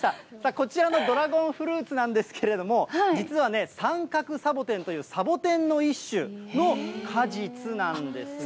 こちらのドラゴンフルーツなんですけども、実はサンカクサボテンというサボテンの一種の果実なんですね。